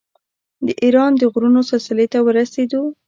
د ایران د غرونو سلسلې ته ورسېدو.